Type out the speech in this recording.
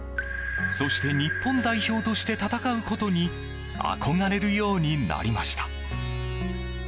そして日本代表として戦うことに憧れるようになりました。